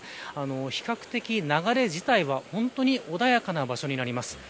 比較的、流れ自体は穏やかな場所になります。